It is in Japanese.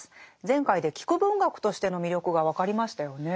前回で聞く文学としての魅力が分かりましたよね。